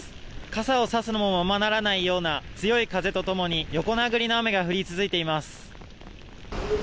傘をさすのもままならないような強い風と共に横殴りの雨が降り続いています。